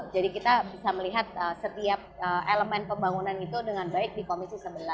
jadi kita bisa melihat setiap elemen pembangunan itu dengan baik di komisi sebelas